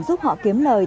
giúp họ kiếm lợi